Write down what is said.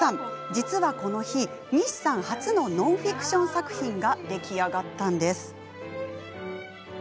実はこの日、西さん初のノンフィクション作品が出来上がったんです。